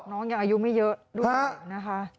น้องนี่ยังอายุไม่เยอะดูใหม่ดิ